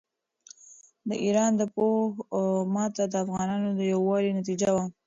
د ایران د پوځ ماته د افغانانو د یووالي نتیجه وه.